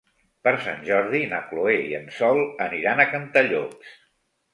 Per Sant Jordi na Chloé i en Sol aniran a Cantallops.